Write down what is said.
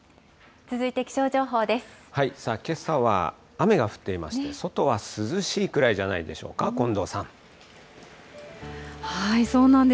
けさは雨が降っていまして、外は涼しいくらいじゃないでしょうか、近藤さん。